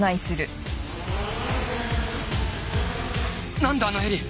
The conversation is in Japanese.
なんだあのヘリ！